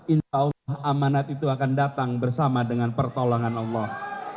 insya allah amanat itu akan datang bersama dengan pertolongan allah